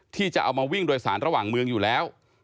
ที่จะเอามาวิ่งโดยสารระหว่างเมืองอยู่แล้ว